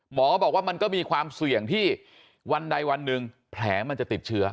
หมอบอกว่ามันก็มีความเสี่ยงที่วันใดวันหนึ่งแผลมันจะติดเชื้อ